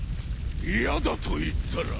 嫌だと言ったら？